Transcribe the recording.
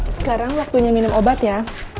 sekarang waktunya minum obat ya